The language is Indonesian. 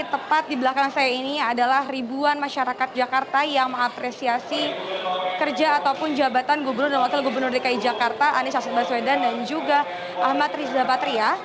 tepat di belakang saya ini adalah ribuan masyarakat jakarta yang mengapresiasi kerja ataupun jabatan gubernur dan wakil gubernur dki jakarta anies baswedan dan juga ahmad riza patria